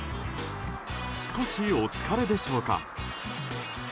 少しお疲れでしょうか。